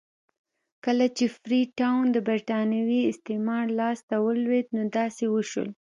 کله چې فري ټاون د برېټانوي استعمار لاس ته ولوېد نو داسې وشول.